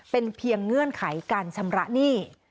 เป็นเพียงเงื่อนไขการชำระหนี้